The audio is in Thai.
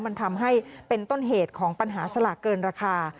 มันทำให้เป็นต้นเหตุของปัญหาสลากเกินราคา